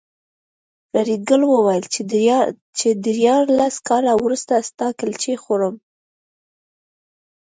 فریدګل وویل چې دیارلس کاله وروسته ستا کلچې خورم